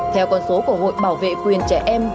theo con số của hội bảo vệ quyền trẻ em